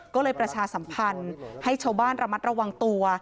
ก็เลยประชาสัมพันธ์ให้ชาวบ้านระมัดระวังตัว